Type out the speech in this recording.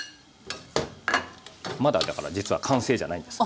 まだだから実は完成じゃないんです。